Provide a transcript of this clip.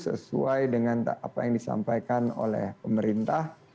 sesuai dengan apa yang disampaikan oleh pemerintah